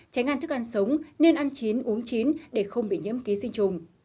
tránh ăn thức ăn sống nên ăn chín uống chín để không bị nhiễm ký sinh trùng